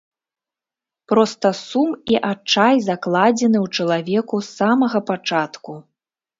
Проста сум і адчай закладзены ў чалавеку з самага пачатку.